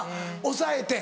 抑えて？